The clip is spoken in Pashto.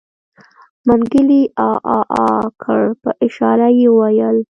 منګلي عاعاعا کړ په اشاره يې وويل.